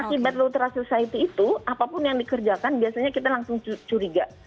akibat lutra society itu apapun yang dikerjakan biasanya kita langsung curiga